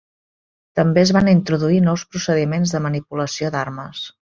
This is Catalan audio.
També es van introduir nous procediments de manipulació d'armes.